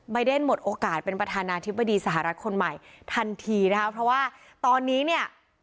เดนหมดโอกาสเป็นประธานาธิบดีสหรัฐคนใหม่ทันทีนะคะเพราะว่าตอนนี้เนี่ย